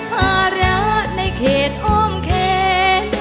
ภาระในเขตอ้อมแคร์